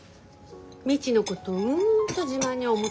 未知のことうんと自慢に思ってるよ？